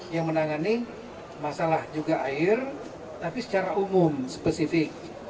yang menangani masalah juga air tapi secara umum spesifik